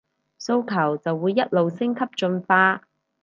訴求就會一路升級進化